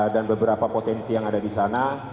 dan beberapa potensi yang ada di sana